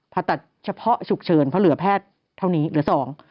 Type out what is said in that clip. ผ่าตัดเฉพาะฉุกเฉินเพราะเหลือแพทย์เท่านี้เหลือสอง